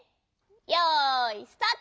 よいスタート！